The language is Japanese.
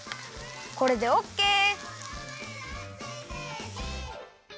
これでオッケー！